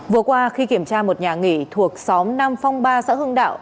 vừa qua khi kiểm tra một nhà nghỉ thuộc xóm nam phong ba xã hưng đạo